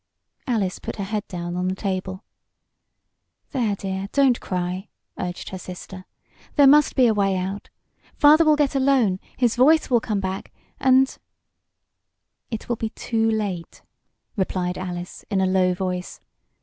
Alice put her head down on the table. "There, dear, don't cry," urged her sister. "There must be a way out. Father will get a loan his voice will come back, and " "It will be too late," replied Alice, in a low voice.